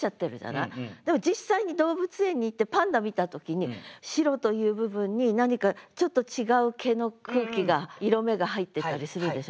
でも実際に動物園に行ってパンダ見た時に白という部分に何かちょっと違う毛の空気が色目が入ってたりするでしょ。